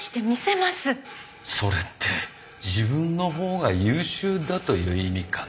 それって自分のほうが優秀だという意味かな？